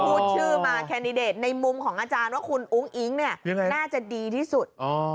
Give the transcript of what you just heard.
พูดชื่อมาในมุมของอาจารย์ว่าคุณอุ้งอิ๊งน่าจะดีที่สุด